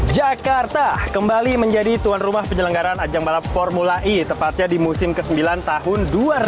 jakarta kembali menjadi tuan rumah penyelenggaran ajang balap formula e tepatnya di musim ke sembilan tahun dua ribu dua puluh